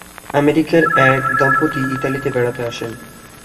আমেরিকার এক দম্পতি ইতালিতে বেড়াতে আসেন।